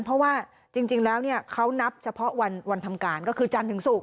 เพราะว่าจริงแล้วเขานับเฉพาะวันทำการก็คือจันทร์ถึงศุกร์